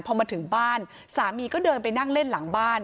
พอมาถึงบ้านสามีก็เดินไปนั่งเล่นหลังบ้าน